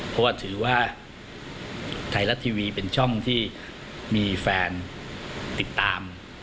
เพราะว่าถือว่าไทยรัฐทีวีเป็นช่องที่มีแฟนติดตาม